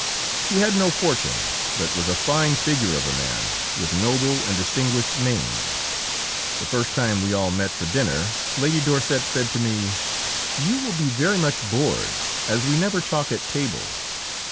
He had no fortune, but was a fine figure of a man, with noble and distinguished mien. The first time we all met for dinner Lady Dorset said to me: "You will be very much bored, as we never talk at table."